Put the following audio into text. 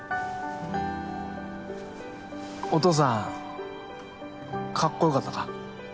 お父さんかっこよかったか？